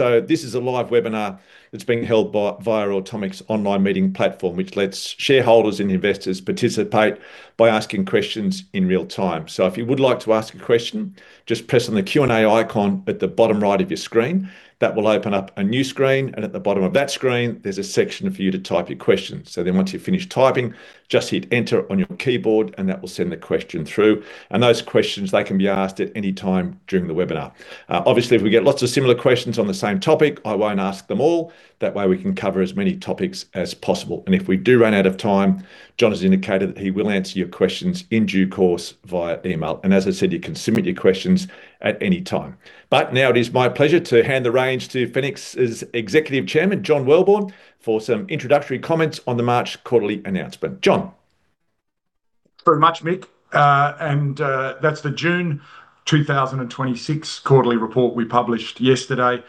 This is a live webinar that is being held via Automic's online meeting platform, which lets shareholders and investors participate by asking questions in real time. If you would like to ask a question, just press on the Q&A icon at the bottom right of your screen. That will open up a new screen, and at the bottom of that screen, there is a section for you to type your question. Once you have finished typing, just hit enter on your keyboard, and that will send the question through. Those questions, they can be asked at any time during the webinar. Obviously, if we get lots of similar questions on the same topic, I will not ask them all. That way, we can cover as many topics as possible. If we do run out of time, John has indicated that he will answer your questions in due course via email. As I said, you can submit your questions at any time. Now it is my pleasure to hand the reins to Fenix's Executive Chairman, John Welborn, for some introductory comments on the March quarterly announcement. John? Very much, Mick. That is the June 2026 quarterly report we published yesterday,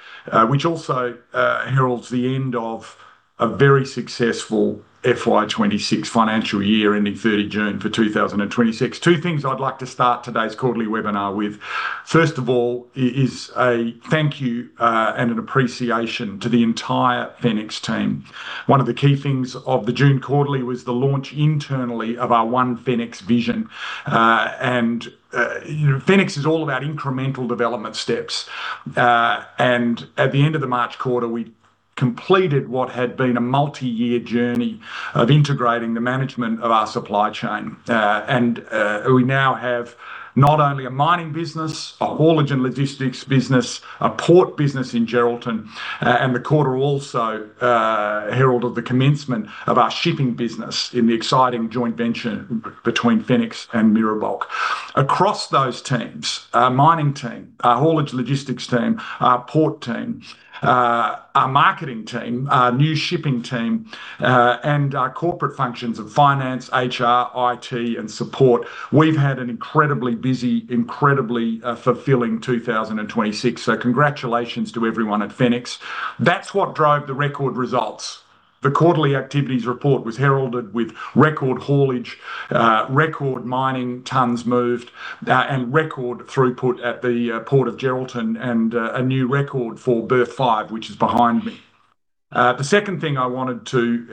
which also heralds the end of a very successful FY 2026 financial year, ending 30 June for 2026. Two things I would like to start today's quarterly webinar with. First of all is a thank you, and an appreciation to the entire Fenix team. One of the key things of the June quarterly was the launch internally of our One Fenix vision. Fenix is all about incremental development steps. At the end of the March quarter, we completed what had been a multi-year journey of integrating the management of our supply chain. We now have not only a mining business, a haulage and logistics business, a port business in Geraldton. The quarter also heralded the commencement of our shipping business in the exciting joint venture between Fenix and Mira Bulk. Across those teams, our mining team, our haulage logistics team, our port team, our marketing team, our new shipping team, and our corporate functions of finance, HR, IT, and support. We have had an incredibly busy, incredibly fulfilling 2026. Congratulations to everyone at Fenix. That is what drove the record results. The quarterly activities report was heralded with record haulage, record mining tons moved, and record throughput at the Port of Geraldton, and a new record for Berth 5, which is behind me. The second thing I wanted to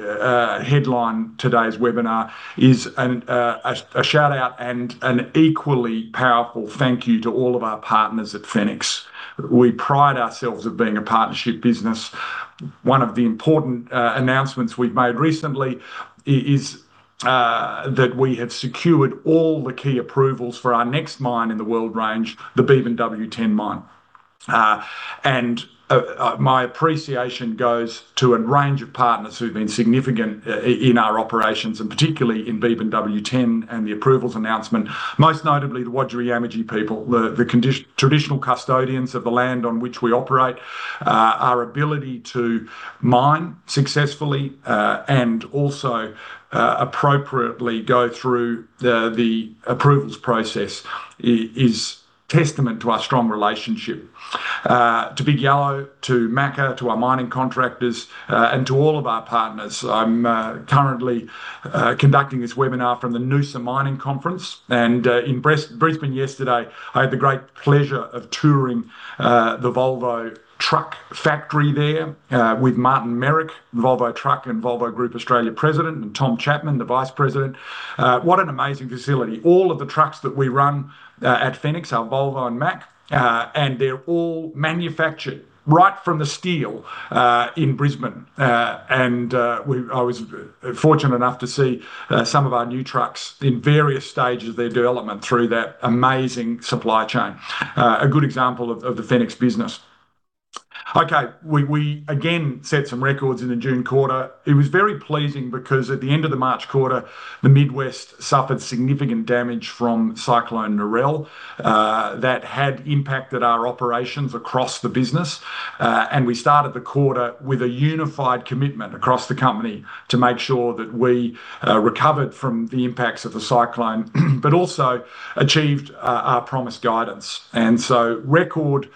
headline today's webinar is a shout-out and an equally powerful thank you to all of our partners at Fenix. We pride ourselves on being a partnership business. One of the important announcements we have made recently is that we have secured all the key approvals for our next mine in the Weld Range, the Beebyn W10 mine. My appreciation goes to a range of partners who have been significant in our operations, particularly in Beebyn W10 and the approvals announcement, most notably the Wajarri Yamaji people, the traditional custodians of the land on which we operate. Our ability to mine successfully, and also appropriately go through the approvals process is testament to our strong relationship. To Big Yellow, to MACA, to our mining contractors, and to all of our partners. I am currently conducting this webinar from the Noosa Mining Conference. In Brisbane yesterday, I had the great pleasure of touring the Volvo Trucks factory there, with Martin Merrick, Volvo Trucks and Volvo Group Australia President, and Tom Chapman, the Vice President. What an amazing facility. All of the trucks that we run at Fenix are Volvo and Mack, and they are all manufactured right from the steel, in Brisbane. I was fortunate enough to see some of our new trucks in various stages of their development through that amazing supply chain. A good example of the Fenix business. We again set some records in the June quarter. It was very pleasing because, at the end of the March quarter, the Mid West suffered significant damage from Cyclone Narelle, that had impacted our operations across the business. We started the quarter with a unified commitment across the company to make sure that we recovered from the impacts of the cyclone, but also achieved our promised guidance. So record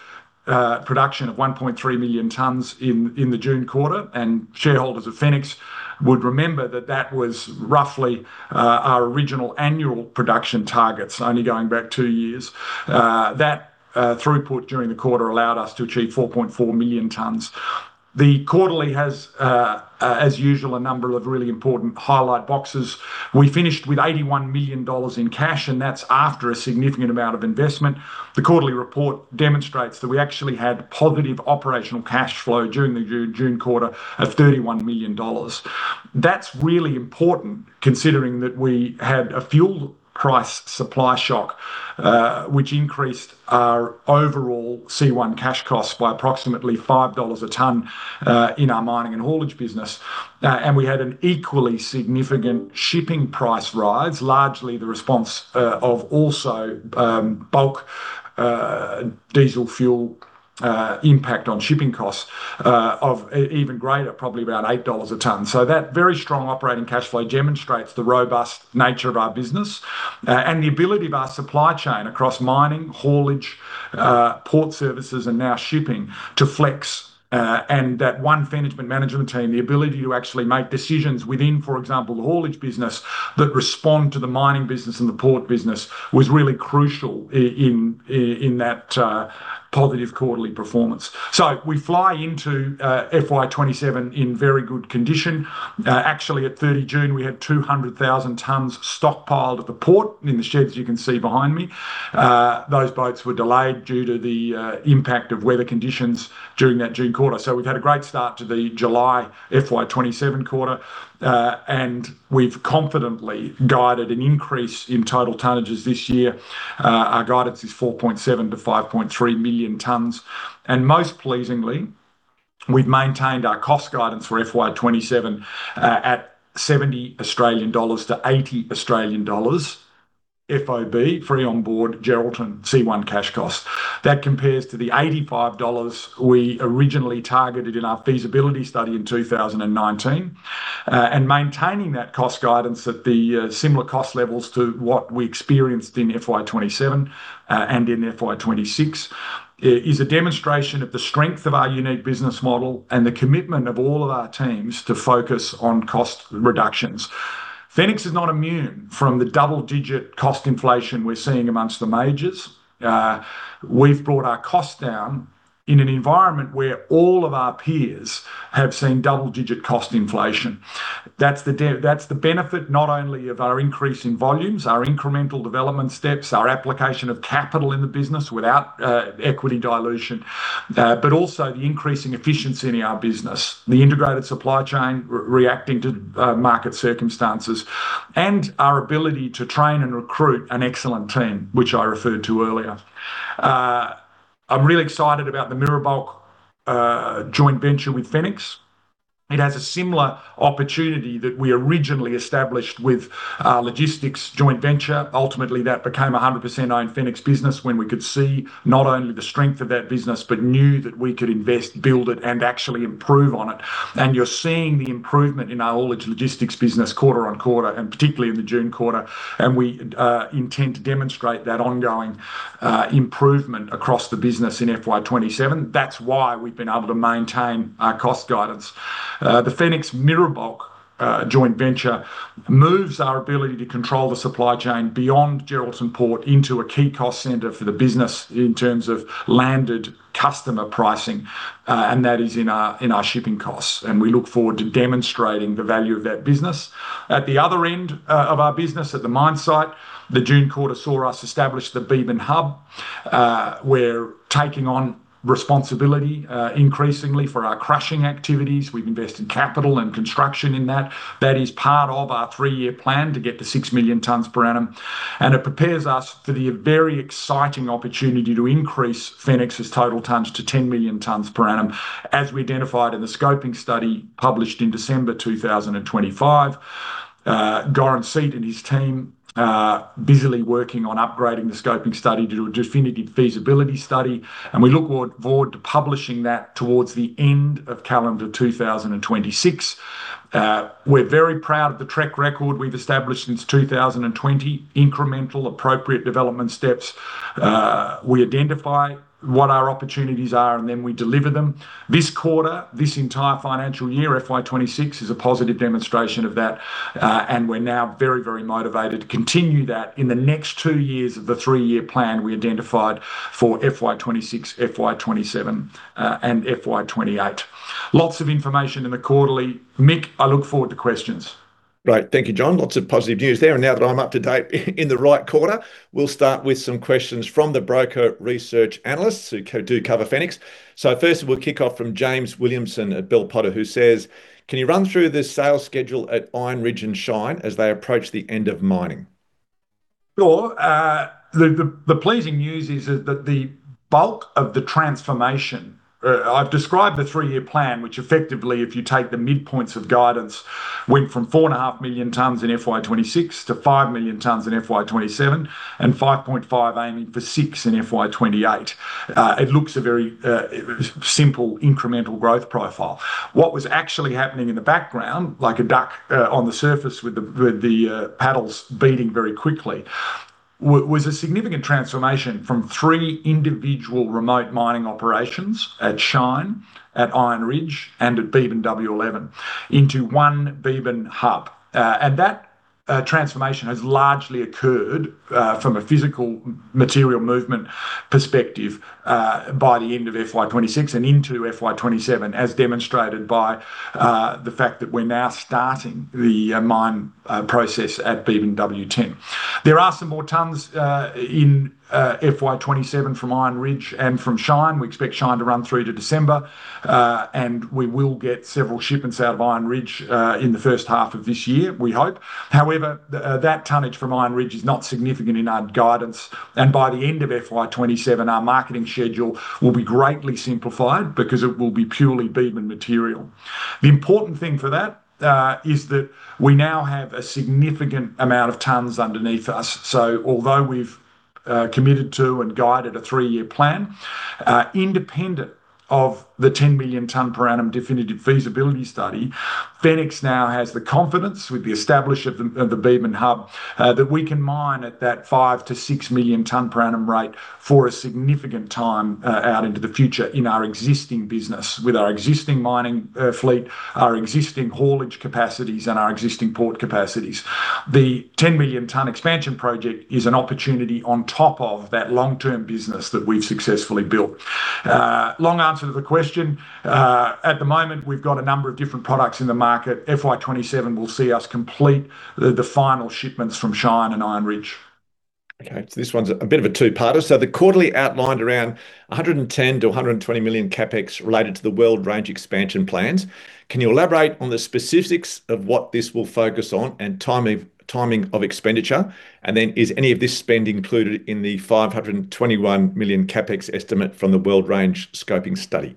production of 1.3 million tonnes in the June quarter. Shareholders of Fenix would remember that that was roughly our original annual production targets, only going back two years. That throughput during the quarter allowed us to achieve 4.4 million tonnes. The quarterly has, as usual, a number of really important highlight boxes. We finished with 81 million dollars in cash, and that is after a significant amount of investment. The quarterly report demonstrates that we actually had positive operational cash flow during the June quarter of 31 million dollars. That is really important considering that we had a fuel price supply shock, which increased our overall C1 cash costs by approximately 5 dollars a tonne, in our mining and haulage business. We had an equally significant shipping price rise, largely the response of also bulk diesel fuel impact on shipping costs of even greater, probably around 8 dollars a tonne. So that very strong operating cash flow demonstrates the robust nature of our business and the ability of our supply chain across mining, haulage, port services, and now shipping to flex. That One Fenix management team, the ability to actually make decisions within, for example, the haulage business that respond to the mining business and the port business was really crucial in that positive quarterly performance. We fly into FY 2027 in very good condition. Actually, at 30 June, we had 200,000 tonnes stockpiled at the port in the sheds you can see behind me. Those boats were delayed due to the impact of weather conditions during that June quarter. So we have had a great start to the July FY 2027 quarter. We have confidently guided an increase in total tonnages this year. Our guidance is 4.7 million tonnes to 5.3 million tonnes. Most pleasingly, we have maintained our cost guidance for FY 2027 at 70 Australian dollars to 80 Australian dollars FOB, free on board, Geraldton C1 cash costs. That compares to the AUD 85 we originally targeted in our feasibility study in 2019. Maintaining that cost guidance at the similar cost levels to what we experienced in FY 2027 and in FY 2026 is a demonstration of the strength of our unique business model and the commitment of all of our teams to focus on cost reductions. Fenix is not immune from the double-digit cost inflation we're seeing amongst the majors. We've brought our costs down in an environment where all of our peers have seen double-digit cost inflation. That's the benefit not only of our increasing volumes, our incremental development steps, our application of capital in the business without equity dilution but also the increasing efficiency in our business. The integrated supply chain reacting to market circumstances and our ability to train and recruit an excellent team, which I referred to earlier. I'm really excited about the Mira Bulk joint venture with Fenix. It has a similar opportunity that we originally established with logistics joint venture. Ultimately, that became 100% own Fenix business when we could see not only the strength of that business, but knew that we could invest, build it and actually improve on it. You're seeing the improvement in our haulage logistics business quarter-on-quarter and particularly in the June quarter. We intend to demonstrate that ongoing improvement across the business in FY 2027. That's why we've been able to maintain our cost guidance. The Fenix-Mira Bulk joint venture moves our ability to control the supply chain beyond Geraldton Port into a key cost center for the business in terms of landed customer pricing. That is in our shipping costs. We look forward to demonstrating the value of that business. At the other end of our business at the mine site, the June quarter saw us establish the Beebyn Hub. We're taking on responsibility increasingly for our crushing activities. We've invested capital and construction in that. That is part of our three-year plan to get to 6 million tonnes per annum. It prepares us for the very exciting opportunity to increase Fenix's total tonnes to 10 million tonnes per annum, as we identified in the scoping study published in December 2025. [Goran Seat] and his team are busily working on upgrading the scoping study to a definitive feasibility study. We look forward to publishing that towards the end of calendar 2026. We're very proud of the track record we've established since 2020. Incremental appropriate development steps. We identify what our opportunities are, then we deliver them. This quarter, this entire financial year, FY 2026 is a positive demonstration of that. We're now very, very motivated to continue that in the next two years of the three-year plan we identified for FY 2026, FY 2027, and FY 2028. Lots of information in the quarterly. Mick, I look forward to questions. Great. Thank you, John. Lots of positive news there. Now that I'm up to date in the right quarter, we'll start with some questions from the broker research analysts who do cover Fenix. First, we'll kick off from James Williamson at Bell Potter who says, "Can you run through the sales schedule at Iron Ridge and Shine as they approach the end of mining? Sure. The pleasing news is that the bulk of the transformation. I've described the three-year plan, which effectively, if you take the midpoints of guidance, went from 4.5 million tonnes in FY 2026 to five million tonnes in FY 2027 and 5.5 aiming for six in FY 2028. It looks a very simple incremental growth profile. What was actually happening in the background, like a duck on the surface with the paddles beating very quickly, was a significant transformation from three individual remote mining operations at Shine, at Iron Ridge and at Beebyn W11 into one Beebyn Hub. That transformation has largely occurred from a physical material movement perspective by the end of FY 2026 and into FY 2027, as demonstrated by the fact that we're now starting the mine process at Beebyn W10. There are some more tonnes in FY 2027 from Iron Ridge and from Shine. We expect Shine to run through to December. We will get several shipments out of Iron Ridge in the first half of this year, we hope. However, that tonnage from Iron Ridge is not significant in our guidance. By the end of FY 2027, our marketing schedule will be greatly simplified because it will be purely Beebyn material. The important thing for that is that we now have a significant amount of tonnes underneath us. Although we've committed to and guided a three-year plan, independent of the 10 million ton per annum definitive feasibility study. Fenix now has the confidence with the establishment of the Beebyn Hub, that we can mine at that five to six million ton per annum rate for a significant time out into the future in our existing business, with our existing mining fleet, our existing haulage capacities, and our existing port capacities. The 10 million ton expansion project is an opportunity on top of that long-term business that we've successfully built. Long answer to the question. At the moment, we've got a number of different products in the market. FY 2027 will see us complete the final shipments from Shine and Iron Ridge. This one's a bit of a two-parter. The quarterly outlined around 110 million-120 million CapEx related to the Weld Range expansion plans. Can you elaborate on the specifics of what this will focus on and timing of expenditure? Is any of this spend included in the 521 million CapEx estimate from the Weld Range scoping study?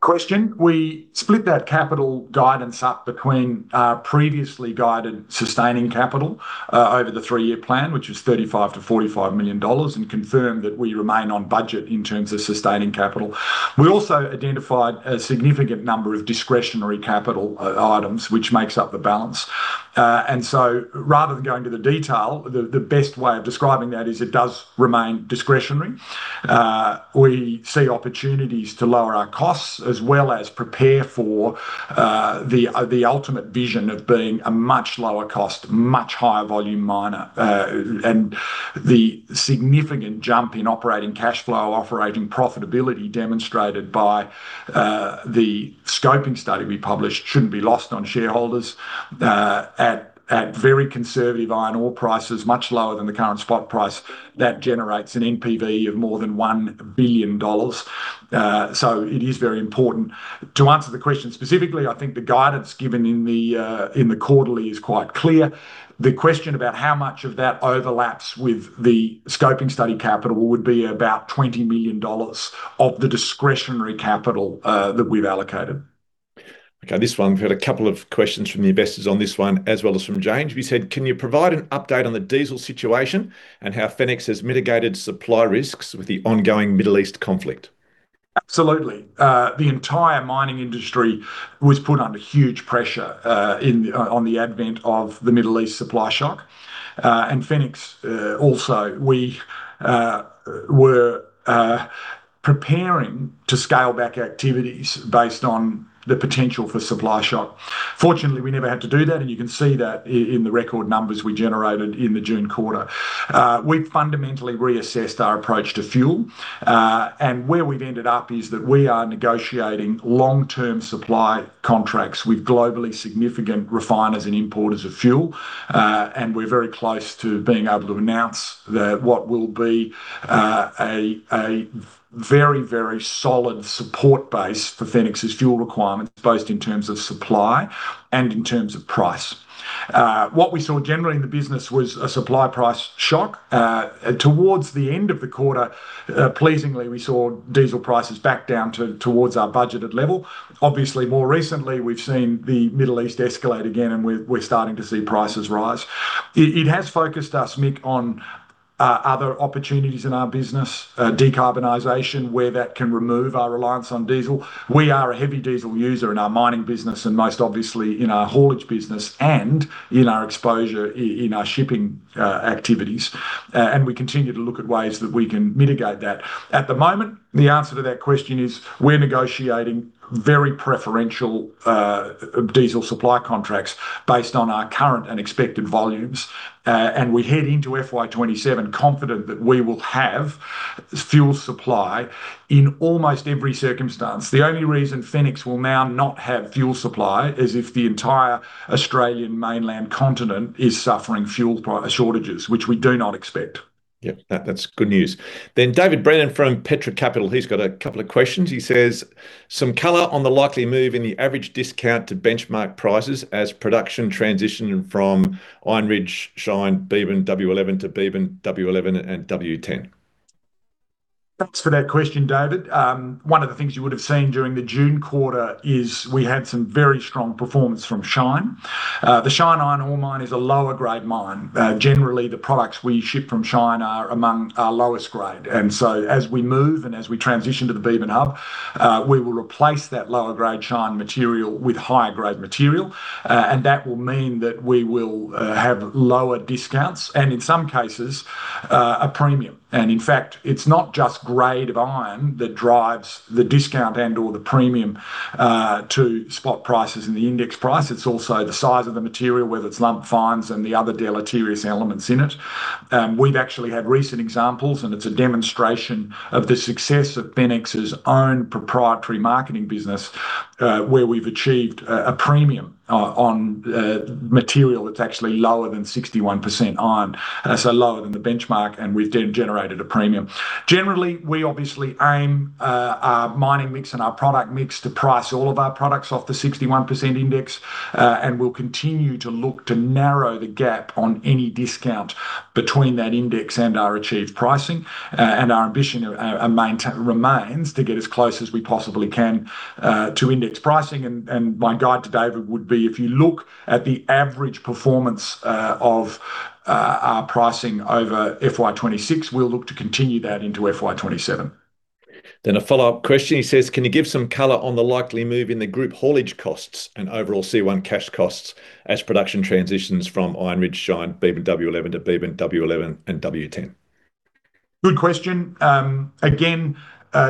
Question. We split that capital guidance up between our previously guided sustaining capital over the three-year plan, which was 35 million-45 million dollars, and confirmed that we remain on budget in terms of sustaining capital. We also identified a significant number of discretionary capital items, which makes up the balance. Rather than go into the detail, the best way of describing that is it does remain discretionary. We see opportunities to lower our costs as well as prepare for the ultimate vision of being a much lower cost, much higher volume miner. The significant jump in operating cash flow, operating profitability demonstrated by the scoping study we published shouldn't be lost on shareholders. At very conservative iron ore prices, much lower than the current spot price. That generates an NPV of more than 1 billion dollars. It is very important. To answer the question specifically, I think the guidance given in the quarterly is quite clear. The question about how much of that overlaps with the scoping study capital would be about 20 million dollars of the discretionary capital that we've allocated. This one. We've had a couple of questions from the investors on this one as well as from James. We said, can you provide an update on the diesel situation and how Fenix has mitigated supply risks with the ongoing Middle East conflict? Absolutely. The entire mining industry was put under huge pressure on the advent of the Middle East supply shock. Fenix, also, we were preparing to scale back activities based on the potential for supply shock. Fortunately, we never had to do that, and you can see that in the record numbers we generated in the June quarter. We fundamentally reassessed our approach to fuel. Where we've ended up is that we are negotiating long-term supply contracts with globally significant refiners and importers of fuel. We're very close to being able to announce what will be a very, very solid support base for Fenix's fuel requirements, both in terms of supply and in terms of price. What we saw generally in the business was a supply price shock. Towards the end of the quarter, pleasingly, we saw diesel prices back down towards our budgeted level. Obviously, more recently, we've seen the Middle East escalate again, and we're starting to see prices rise. It has focused us, Mick, on other opportunities in our business. Decarbonization, where that can remove our reliance on diesel. We are a heavy diesel user in our mining business and most obviously in our haulage business and in our exposure in our shipping activities. We continue to look at ways that we can mitigate that. At the moment, the answer to that question is we're negotiating very preferential diesel supply contracts based on our current and expected volumes. We head into FY 2027 confident that we will have fuel supply in almost every circumstance. The only reason Fenix will now not have fuel supply is if the entire Australian mainland continent is suffering fuel shortages, which we do not expect. Yep, that's good news. David Brennan from Petra Capital, he's got a couple of questions. He says, "Some color on the likely move in the average discount to benchmark prices as production transitioned from Iron Ridge, Shine, Beebyn W11 to Beebyn W11, and Beebyn W10. Thanks for that question, David. One of the things you would have seen during the June quarter is we had some very strong performance from Shine. The Shine iron ore mine is a lower grade mine. Generally, the products we ship from Shine are among our lowest grade. As we move and as we transition to the Beebyn Hub, we will replace that lower grade Shine material with higher grade material. That will mean that we will have lower discounts and in some cases, a premium. In fact, it's not just grade of iron that drives the discount and/or the premium to spot prices and the index price. It's also the size of the material, whether it's lump fines and the other deleterious elements in it. We've actually had recent examples. It's a demonstration of the success of Fenix's own proprietary marketing business where we've achieved a premium on material that's actually lower than 61% iron, so lower than the benchmark, and we've then generated a premium. Generally, we obviously aim our mining mix and our product mix to price all of our products off the 61% index. We'll continue to look to narrow the gap on any discount between that index and our achieved pricing. Our ambition remains to get as close as we possibly can to index pricing. My guide to David would be, if you look at the average performance of our pricing over FY 2026, we'll look to continue that into FY 2027. A follow-up question. He says, "Can you give some color on the likely move in the group haulage costs and overall C1 cash costs as production transitions from Iron Ridge, Shine, Beebyn W11 to Beebyn W11 and W10? Good question. Again,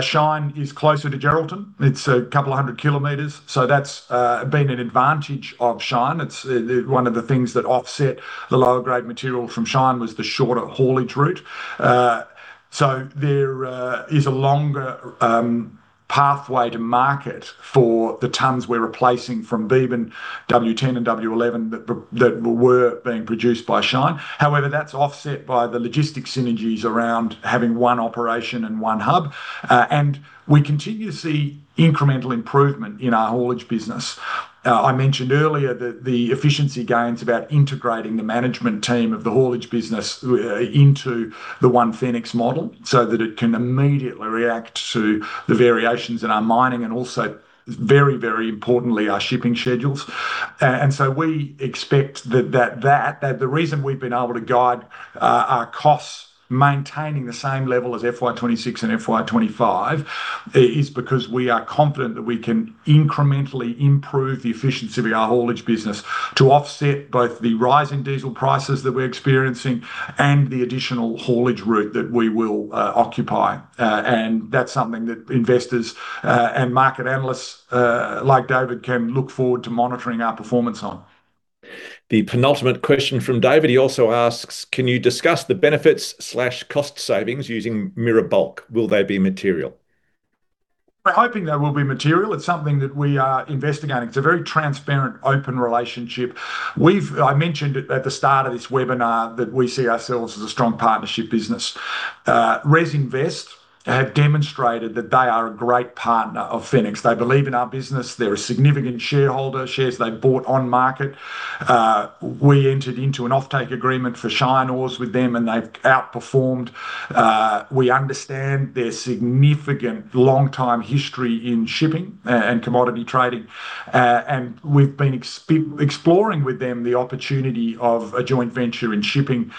Shine is closer to Geraldton. It's a couple of hundred kilometers, so that's been an advantage of Shine. It's one of the things that offset the lower grade material from Shine was the shorter haulage route. There is a longer pathway to market for the tons we're replacing from Beebyn W10 and W11 that were being produced by Shine. However, that's offset by the logistic synergies around having one operation and one hub. We continue to see incremental improvement in our haulage business. I mentioned earlier that the efficiency gains about integrating the management team of the haulage business into the One Fenix model so that it can immediately react to the variations in our mining and also very, very importantly, our shipping schedules. We expect that the reason we've been able to guide our costs maintaining the same level as FY 2026 and FY 2025 is because we are confident that we can incrementally improve the efficiency of our haulage business to offset both the rise in diesel prices that we're experiencing and the additional haulage route that we will occupy. That's something that investors and market analysts like David can look forward to monitoring our performance on. The penultimate question from David. He also asks, "Can you discuss the benefits/cost savings using Mira Bulk? Will they be material? We're hoping they will be material. It's something that we are investigating. It's a very transparent, open relationship. I mentioned it at the start of this webinar that we see ourselves as a strong partnership business. ResInvest have demonstrated that they are a great partner of Fenix. They believe in our business. They're a significant shareholder, shares they bought on market. We entered into an offtake agreement for Shine ores with them, and they've outperformed. We understand their significant longtime history in shipping and commodity trading. We've been exploring with them the opportunity of a joint venture in shipping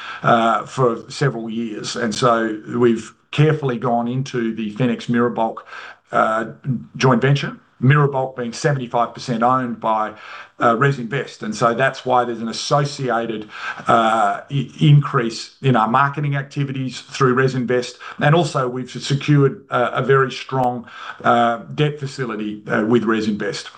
for several years. We've carefully gone into the Fenix-Mira Bulk joint venture, Mira Bulk being 75% owned by ResInvest. That's why there's an associated increase in our marketing activities through ResInvest. Also we've secured a very strong debt facility with ResInvest.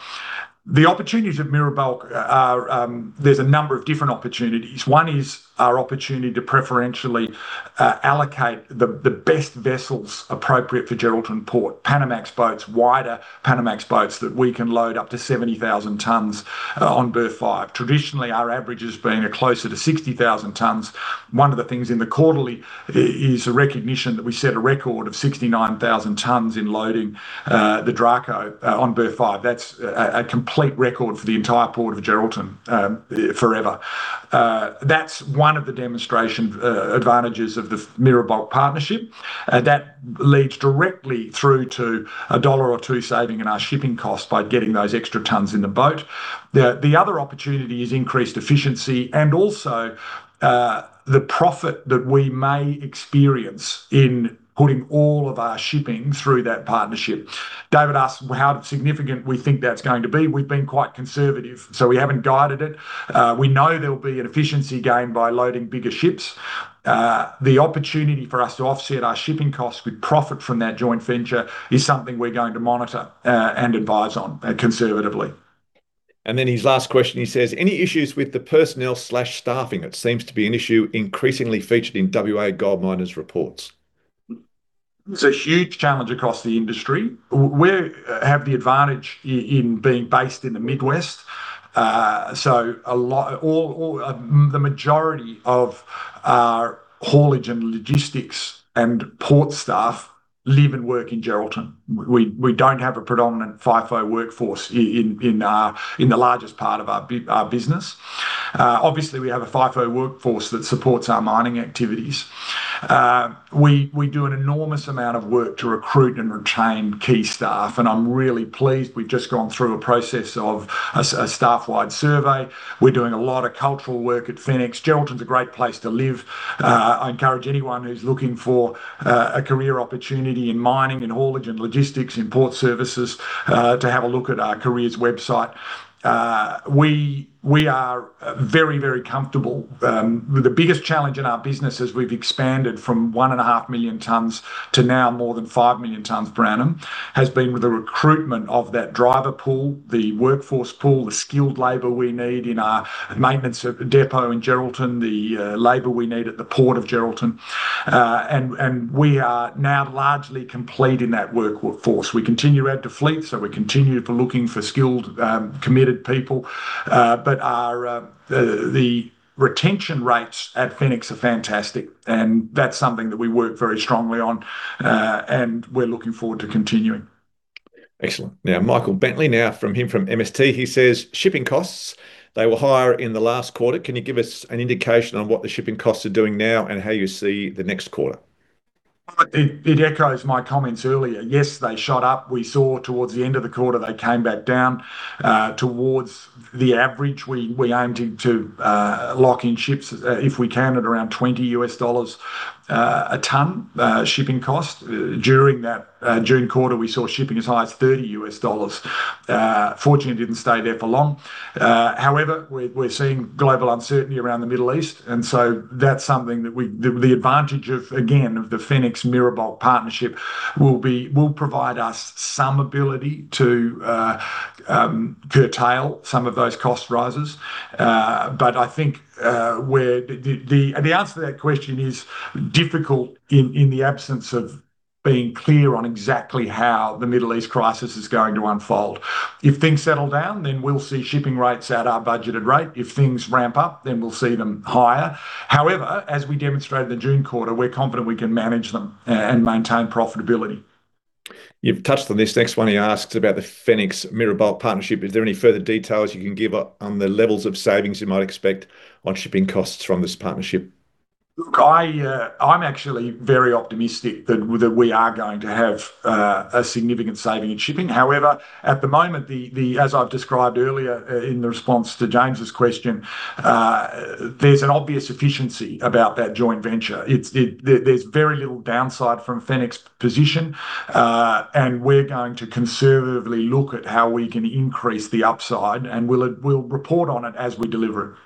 The opportunities with Mira Bulk are, there's a number of different opportunities. One is our opportunity to preferentially allocate the best vessels appropriate for Geraldton Port. Panamax boats, wider Panamax boats that we can load up to 70,000 tons on berth five. Traditionally, our average has been closer to 60,000 tons. One of the things in the quarterly is a recognition that we set a record of 69,000 tons in loading the Nord Draco on berth five. That's a complete record for the entire Port of Geraldton forever. That's one of the demonstration advantages of the Mira Bulk partnership. That leads directly through to an AUD 1 or 2 dollar saving in our shipping cost by getting those extra tons in the boat. The other opportunity is increased efficiency and also the profit that we may experience in putting all of our shipping through that partnership. David asked how significant we think that's going to be. We've been quite conservative, so we haven't guided it. We know there'll be an efficiency gain by loading bigger ships. The opportunity for us to offset our shipping costs with profit from that joint venture is something we're going to monitor and advise on conservatively. His last question, he says, "Any issues with the personnel/staffing? It seems to be an issue increasingly featured in WA gold miners' reports. It's a huge challenge across the industry. We have the advantage in being based in the Mid West. The majority of our haulage and logistics and port staff live and work in Geraldton. We don't have a predominant FIFO workforce in the largest part of our business. Obviously, we have a FIFO workforce that supports our mining activities. We do an enormous amount of work to recruit and retain key staff, and I'm really pleased we've just gone through a process of a staff-wide survey. We're doing a lot of cultural work at Fenix. Geraldton's a great place to live. I encourage anyone who's looking for a career opportunity in mining and haulage and logistics and port services to have a look at our careers website. We are very, very comfortable. The biggest challenge in our business as we've expanded from one and a half million tons to now more than 5 million tons per annum has been with the recruitment of that driver pool, the workforce pool, the skilled labor we need in our maintenance depot in Geraldton, the labor we need at the Port of Geraldton. We are now largely complete in that workforce. We continue to fleet, we're continue looking for skilled, committed people. The retention rates at Fenix are fantastic, and that's something that we work very strongly on. We're looking forward to continuing. Excellent. Michael Bentley from MST, he says, "Shipping costs, they were higher in the last quarter. Can you give us an indication on what the shipping costs are doing now and how you see the next quarter? Well, it echoes my comments earlier. Yes, they shot up. We saw towards the end of the quarter they came back down towards the average. We aim to lock in ships, if we can, at around $20 a ton shipping cost. During that June quarter, we saw shipping as high as $30. Fortunately, it didn't stay there for long. We're seeing global uncertainty around the Middle East, that's something that the advantage of, again, of the Fenix-Mira Bulk partnership will provide us some ability to curtail some of those cost rises. I think the answer to that question is difficult in the absence of being clear on exactly how the Middle East crisis is going to unfold. If things settle down, we'll see shipping rates at our budgeted rate. If things ramp up, we'll see them higher. As we demonstrated in the June quarter, we're confident we can manage them and maintain profitability. You've touched on this. Next one, he asks about the Fenix-Mira Bulk partnership. Is there any further details you can give on the levels of savings we might expect on shipping costs from this partnership? Look, I'm actually very optimistic that we are going to have a significant saving in shipping. At the moment, as I've described earlier in the response to James' question, there's an obvious efficiency about that joint venture. There's very little downside from Fenix position. We're going to conservatively look at how we can increase the upside, and we'll report on it as we deliver it.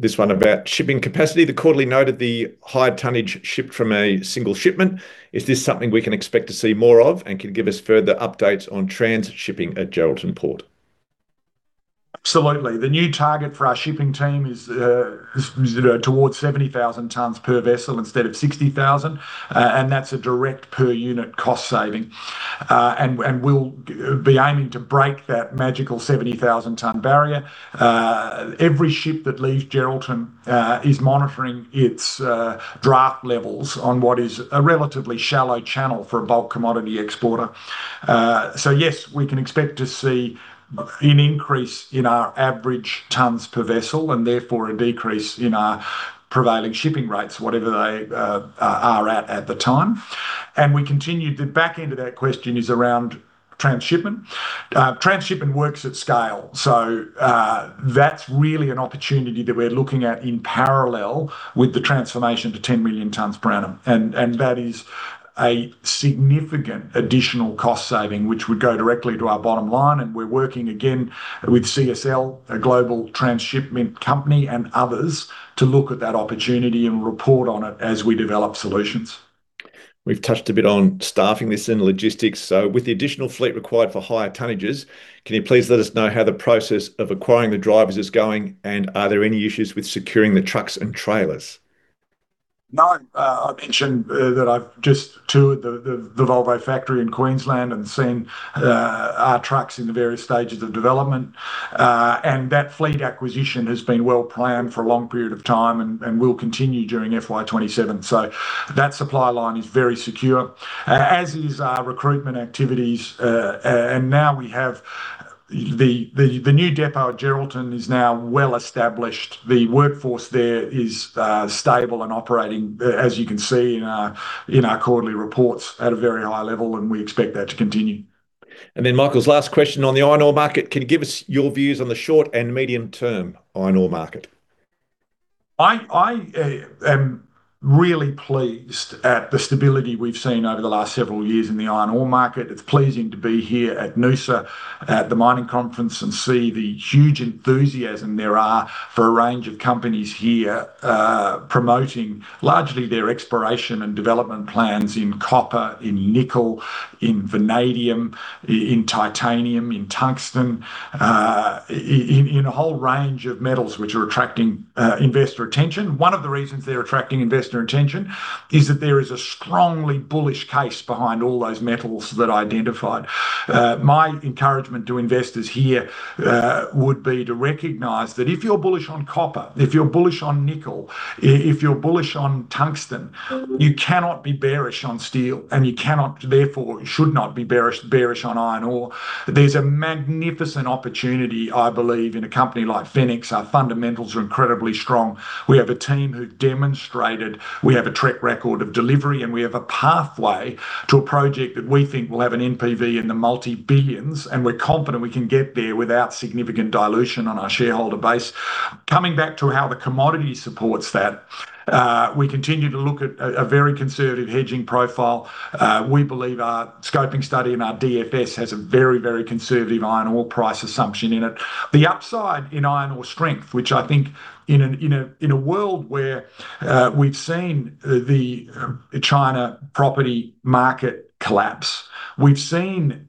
This one about shipping capacity. The quarterly note of the higher tonnage shipped from a single shipment. Is this something we can expect to see more of, and can you give us further updates on transit shipping at Geraldton Port? Absolutely. The new target for our shipping team is towards 70,000 tons per vessel instead of 60,000. That's a direct per unit cost saving. We'll be aiming to break that magical 70,000-ton barrier. Every ship that leaves Geraldton is monitoring its draft levels on what is a relatively shallow channel for a bulk commodity exporter. Yes, we can expect to see an increase in our average tons per vessel and therefore a decrease in our prevailing shipping rates, whatever they are at the time. The back end of that question is around transshipment. Transshipment works at scale, so that's really an opportunity that we're looking at in parallel with the transformation to 10 million tonnes per annum. That is a significant additional cost saving, which would go directly to our bottom line, and we're working again with CSL, a global transshipment company, and others, to look at that opportunity and report on it as we develop solutions. We've touched a bit on staffing this and logistics. With the additional fleet required for higher tonnages, can you please let us know how the process of acquiring the drivers is going, and are there any issues with securing the trucks and trailers? No. I mentioned that I've just toured the Volvo factory in Queensland and seen our trucks in the various stages of development. That fleet acquisition has been well planned for a long period of time and will continue during FY 2027. That supply line is very secure, as is our recruitment activities. Now we have the new depot at Geraldton is now well established. The workforce there is stable and operating, as you can see in our quarterly reports, at a very high level, and we expect that to continue. Michael's last question on the iron ore market. Can you give us your views on the short and medium-term iron ore market? I am really pleased at the stability we've seen over the last several years in the iron ore market. It's pleasing to be here at Noosa Mining Investor Conference and see the huge enthusiasm there are for a range of companies here, promoting largely their exploration and development plans in copper, in nickel, in vanadium, in titanium, in tungsten, in a whole range of metals which are attracting investor attention. One of the reasons they're attracting investor attention is that there is a strongly bullish case behind all those metals that I identified. My encouragement to investors here would be to recognize that if you're bullish on copper, if you're bullish on nickel, if you're bullish on tungsten, you cannot be bearish on steel, and you cannot, therefore should not be bearish on iron ore. There's a magnificent opportunity, I believe, in a company like Fenix. Our fundamentals are incredibly strong. We have a team who demonstrated we have a track record of delivery, we have a pathway to a project that we think will have an NPV in the multi-billions, and we're confident we can get there without significant dilution on our shareholder base. Coming back to how the commodity supports that, we continue to look at a very conservative hedging profile. We believe our scoping study and our DFS has a very, very conservative iron ore price assumption in it. The upside in iron ore strength, which I think in a world where we've seen the China property market collapse. We've seen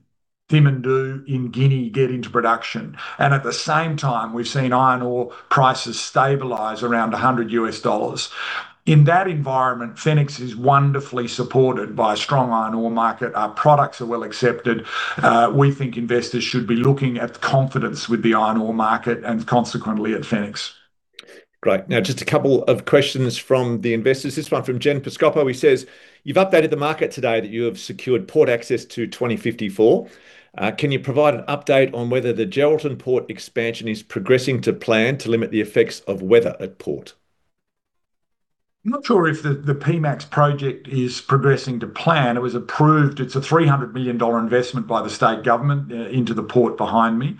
Simandou in Guinea get into production. At the same time, we've seen iron ore prices stabilize around $100. In that environment, Fenix is wonderfully supported by a strong iron ore market. Our products are well accepted. We think investors should be looking at the confidence with the iron ore market and consequently at Fenix. Great. Just a couple of questions from the investors. This one from Jen Piscopo, he says You've updated the market today that you have secured port access to 2054. Can you provide an update on whether the Geraldton Port expansion is progressing to plan to limit the effects of weather at port? I'm not sure if the PMaxP project is progressing to plan. It was approved. It's an 300 million dollar investment by the state government into the port behind me.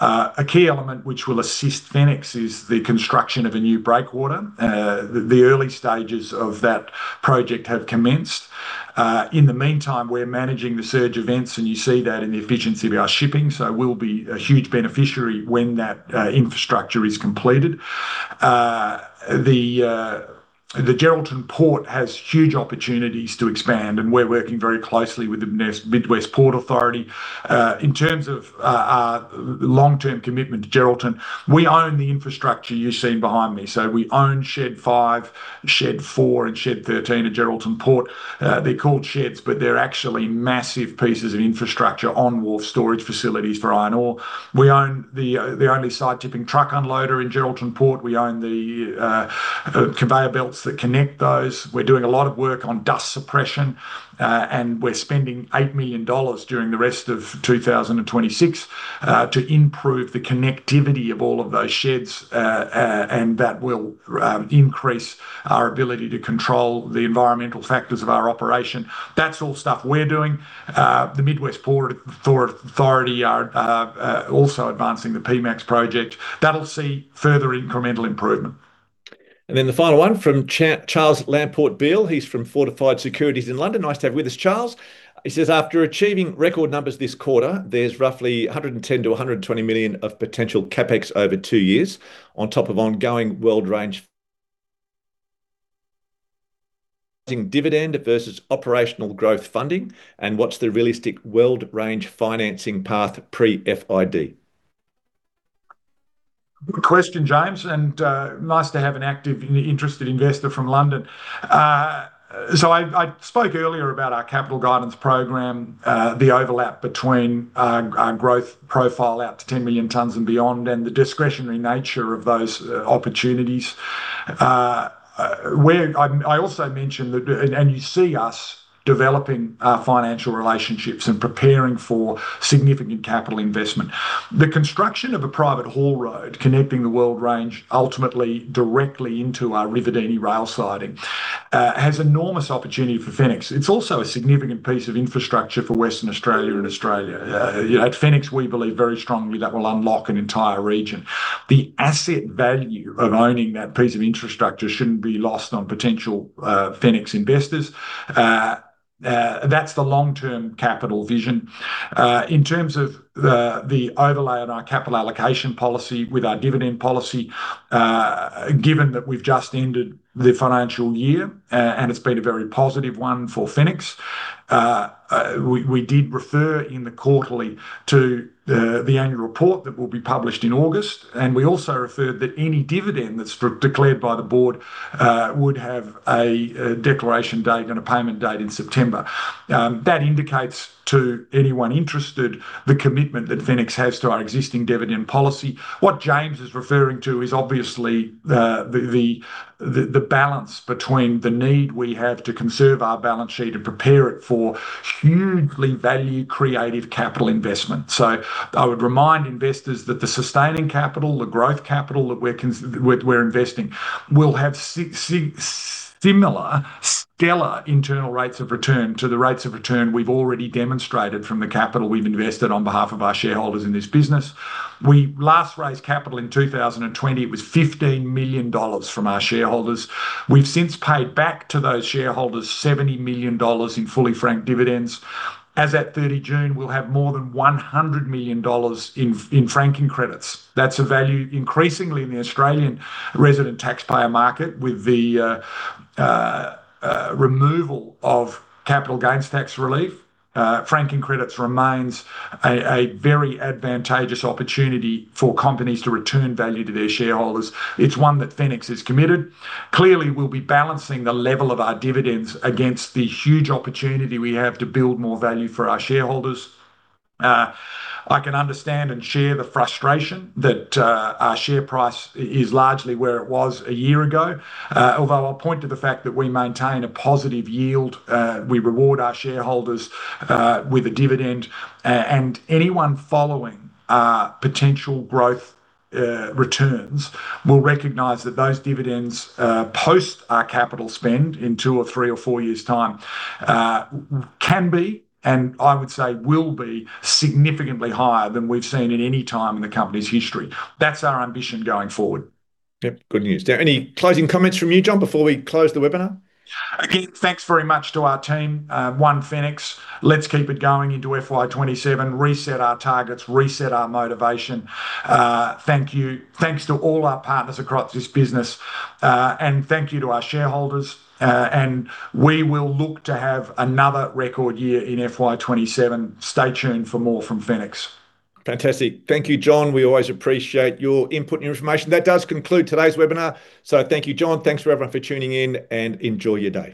A key element which will assist Fenix is the construction of a new breakwater. The early stages of that project have commenced. In the meantime, we're managing the surge events, and you see that in the efficiency of our shipping, we'll be a huge beneficiary when that infrastructure is completed. The Geraldton Port has huge opportunities to expand, and we're working very closely with the Mid West Ports Authority. In terms of our long-term commitment to Geraldton, we own the infrastructure you see behind me. We own Shed 5, Shed 4, and Shed 13 at Geraldton Port. They're called sheds, but they're actually massive pieces of infrastructure, on-wharf storage facilities for iron ore. We own the only site-tipping truck unloader in Geraldton Port. We own the conveyor belts that connect those. We're doing a lot of work on dust suppression. We're spending 8 million dollars during the rest of 2026 to improve the connectivity of all of those sheds. That will increase our ability to control the environmental factors of our operation. That's all stuff we're doing. The Mid West Ports Authority are also advancing the PMaxP project. That'll see further incremental improvement. The final one from Charles Lamport-Beale. He's from Fortified Securities in London. Nice to have you with us, Charles. He says, "After achieving record numbers this quarter, there's roughly 110 million-120 million of potential CapEx over two years on top of ongoing Weld Range dividend versus operational growth funding, what's the realistic Weld Range financing path pre-FID? Good question, James, nice to have an active and interested investor from London. I spoke earlier about our capital guidance program, the overlap between our growth profile out to 10 million tonnes and beyond, and the discretionary nature of those opportunities. You see us developing financial relationships and preparing for significant capital investment. The construction of a private haul road connecting the Weld Range ultimately directly into our Ruvidini rail siding has enormous opportunity for Fenix. It's also a significant piece of infrastructure for Western Australia and Australia. At Fenix, we believe very strongly that will unlock an entire region. The asset value of owning that piece of infrastructure shouldn't be lost on potential Fenix investors. That's the long-term capital vision. In terms of the overlay on our capital allocation policy with our dividend policy, given that we've just ended the financial year, it's been a very positive one for Fenix, we did refer in the quarterly to the annual report that will be published in August, we also referred that any dividend that's declared by the board would have a declaration date and a payment date in September. That indicates to anyone interested the commitment that Fenix has to our existing dividend policy. What James is referring to is obviously the balance between the need we have to conserve our balance sheet and prepare it for hugely value-creative capital investment. I would remind investors that the sustaining capital, the growth capital that we're investing will have similar stellar internal rates of return to the rates of return we've already demonstrated from the capital we've invested on behalf of our shareholders in this business. We last raised capital in 2020. It was 15 million dollars from our shareholders. We've since paid back to those shareholders 70 million dollars in fully franked dividends. As at 30 June, we'll have more than 100 million dollars in franking credits. That's a value increasingly in the Australian resident taxpayer market with the removal of capital gains tax relief. Franking credits remains a very advantageous opportunity for companies to return value to their shareholders. It's one that Fenix is committed. Clearly, we'll be balancing the level of our dividends against the huge opportunity we have to build more value for our shareholders. I can understand and share the frustration that our share price is largely where it was a year ago. Although I'll point to the fact that we maintain a positive yield, we reward our shareholders with a dividend. Anyone following potential growth returns will recognize that those dividends, post our capital spend in two or three or four years' time, can be, and I would say will be, significantly higher than we've seen at any time in the company's history. That's our ambition going forward. Yep. Good news. Are there any closing comments from you, John, before we close the webinar? Again, thanks very much to our team, One Fenix. Let's keep it going into FY 2027, reset our targets, reset our motivation. Thank you. Thanks to all our partners across this business. Thank you to our shareholders. We will look to have another record year in FY 2027. Stay tuned for more from Fenix. Fantastic. Thank you, John. We always appreciate your input and your information. That does conclude today's webinar. Thank you, John. Thanks for everyone for tuning in, and enjoy your day.